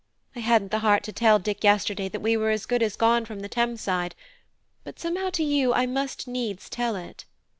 I hadn't the heart to tell Dick yesterday that we were as good as gone from the Thames side; but somehow to you I must needs tell it."